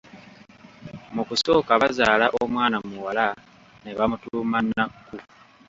Mu kusooka bazaala omwana muwala ne bamutuuma Nakku.